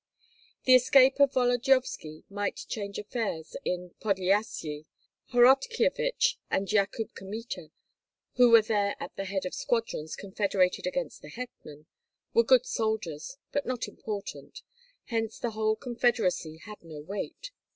The escape of Volodyovski might change affairs in Podlyasye. Horotkyevich and Yakub Kmita, who were there at the head of squadrons confederated against the hetman, were good soldiers, but not important; hence the whole confederacy had no weight.